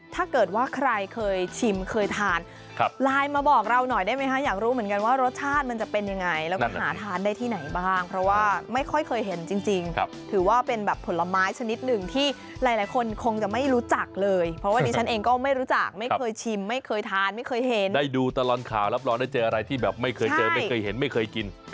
ถ้าเกิดว่าใครเคยชิมเคยทานไลน์มาบอกเราหน่อยได้ไหมคะอยากรู้เหมือนกันว่ารสชาติมันจะเป็นยังไงแล้วก็หาทานได้ที่ไหนบ้างเพราะว่าไม่ค่อยเคยเห็นจริงถือว่าเป็นแบบผลไม้ชนิดหนึ่งที่หลายคนคงจะไม่รู้จักเลยเพราะว่าดิฉันเองก็ไม่รู้จักไม่เคยชิมไม่เคยทานไม่เคยเห็นได้ดูตลอดข่าวรับรองได้เจออะไรที่แบบไม่เคยเจอไม่เคยเห็นไม่เคยกิน